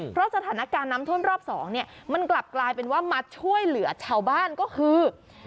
เพราะสถานการณ์น้ำท่วมรอบสองเนี่ยมันกลับกลายเป็นว่ามาช่วยเหลือชาวบ้านก็คือ